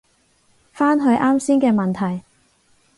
返去啱先嘅問題